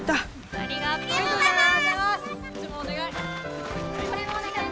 ありがとうございます！